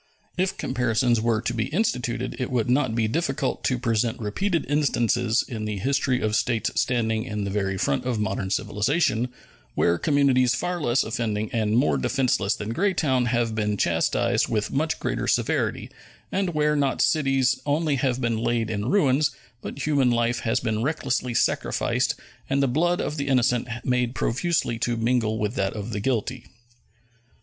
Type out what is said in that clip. If comparisons were to be instituted, it would not be difficult to present repeated instances in the history of states standing in the very front of modern civilization where communities far less offending and more defenseless than Greytown have been chastised with much greater severity, and where not cities only have been laid in ruins, but human life has been recklessly sacrificed and the blood of the innocent made profusely to mingle with that of the guilty.